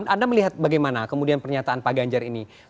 anda melihat bagaimana kemudian pernyataan pak ganjar ini